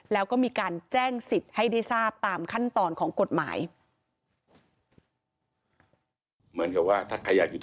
แล้วก็มีการแจ้งสิทธิ์ให้ได้ทราบตามขั้นตอนของกฎหมาย